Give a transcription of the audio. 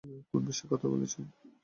কোন বিষয়ে কথা বলছেন?